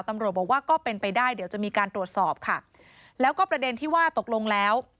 ตำรวจบอกว่าก็เป็นไปได้เดี๋ยวจะมีการตรวจสอบค่ะแล้วก็ประเด็นที่ว่าตกลงแล้ว